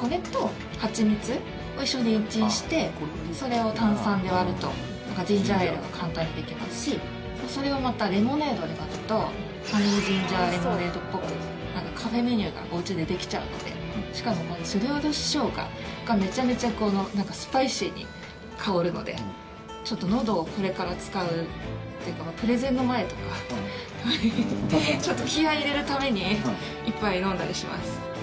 これと蜂蜜を一緒にレンチンしてそれを炭酸で割るとジンジャーエールが簡単にできますしそれをまたレモネードで割るとハニージンジャーレモネードっぽくカフェメニューがおうちでできちゃうのでしかもこのすり下ろしショウガがめちゃくちゃスパイシーに香るのでのどをこれから使うプレゼンの前とかちょっと気合い入れるために１杯飲んだりします。